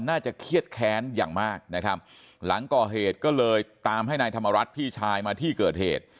น่าจะเครียดแค้นอย่างมากนะครับหลังก่อเหตุก็เลยตามให้นายธรรมรัฐพี่ชายมาที่เกิดเหตุ